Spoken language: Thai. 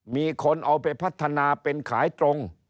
มีคนเอาไปพัฒนาเป็นขายตรง